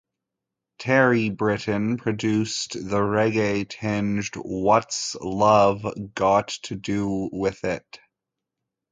Terry Britten produced the reggae-tinged "What's Love Got to Do with It".